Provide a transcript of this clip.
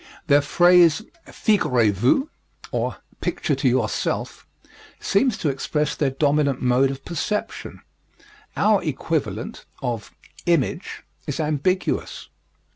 Their phrase figurez vous, or picture to yourself, seems to express their dominant mode of perception. Our equivalent, of 'image,' is ambiguous."